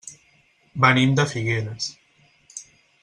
Venim de Figueres.